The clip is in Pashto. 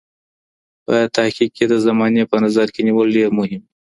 په تحقیق کي د زمانې په نظر کي نیول ډېر مهم دي.